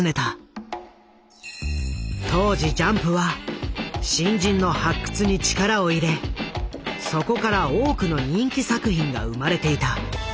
当時ジャンプは新人の発掘に力を入れそこから多くの人気作品が生まれていた。